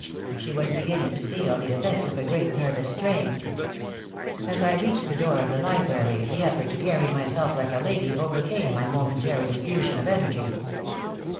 She was beginning to feel the effects of a great nervous strain. As I reached the door of the library, the effort to carry myself like a lady overcame my momentary infusion of energy.